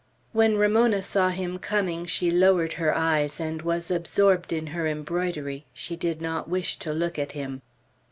When Ramona saw him coming, she lowered her eyes, and was absorbed in her embroidery. She did not wish to look at him.